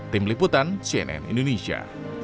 tim liputan cnn indonesia